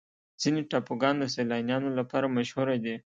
ځینې ټاپوګان د سیلانیانو لپاره مشهوره دي.